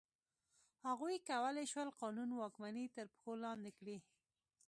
هغوی کولای شول قانون واکمني تر پښو لاندې کړي.